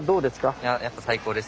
いややっぱ最高です。